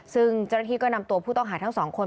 ซึ่งเจ้าหน้าที่ก็นำตัวผู้ต้องหาทั้งสองคน